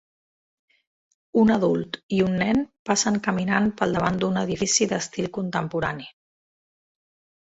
Un adult i un nen passen caminant pel davant d'un edifici d'estil contemporani.